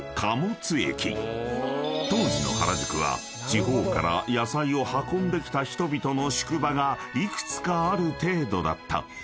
［当時の原宿は地方から野菜を運んできた人々の宿場が幾つかある程度だった］